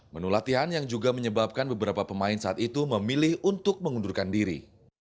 menu latihan yang juga menyebabkan beberapa pemain saat itu memilih untuk mengundurkan diri